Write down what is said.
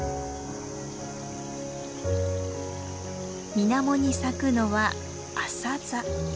水面に咲くのはアサザ。